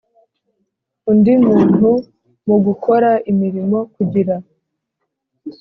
Undi muntu mu gukora imirimo kugira